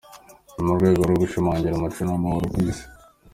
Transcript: Ni mu rwego rwo gushimangira umuco n’amahoro ku isi.